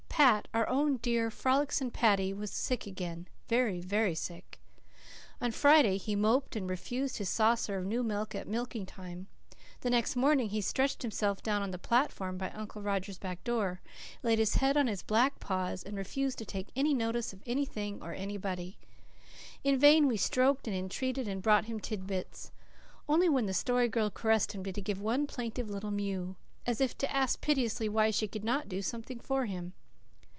Pat, our own, dear, frolicsome Paddy, was sick again very, very sick. On Friday he moped and refused his saucer of new milk at milking time. The next morning he stretched himself down on the platform by Uncle Roger's back door, laid his head on his black paws, and refused to take any notice of anything or anybody. In vain we stroked and entreated and brought him tidbits. Only when the Story Girl caressed him did he give one plaintive little mew, as if to ask piteously why she could not do something for him.